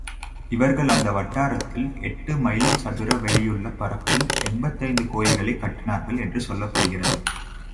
இவர்கள் அந்த வட்டாரத்தில், எட்டு மைல் சதுர வெளியுள்ள பரப்பில் எண்பத்தைந்து கோயில்களைக் கட்டினார்கள் என்று சொல்லப்படுகிறது.